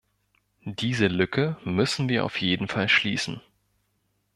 Diese Lücke müssen wir auf jeden Fall schließen.